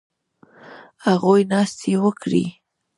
هغوی ناستې وکړې